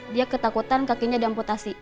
dia ketakutan kakinya diamputasi